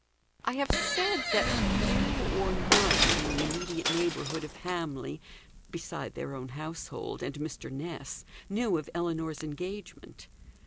I have said that few or none in the immediate neighbourhood of Hamley, beside their own household and Mr. Ness, knew of Ellinor's engagement.